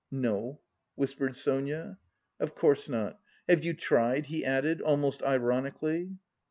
"No," whispered Sonia. "Of course not. Have you tried?" he added almost ironically.